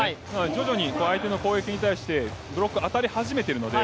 徐々に相手の攻撃に対してブロック当たり始めているので、